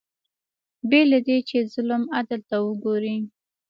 بې له دې چې ظلم عدل ته وګوري